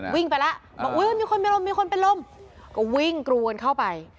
วิ่งไปแล้วบอกอุ๊ยมันมีคนมีลมมีคนเป็นลมก็วิ่งกรูกันเข้าไป